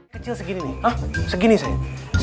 kecil segini nih oh segini saya